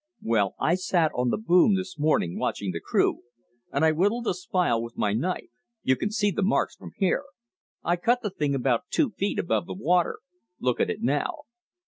Well, I sat on the boom this morning watching the crew, and I whittled the spile with my knife you can see the marks from here. I cut the thing about two feet above the water. Look at it now."